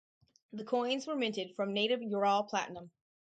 The coins were minted from native Ural platinum.